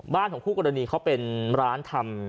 ของคู่กรณีเขาเป็นร้านทำ